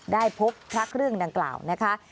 ได้พบพระเครื่องดังกล่าวนะคะ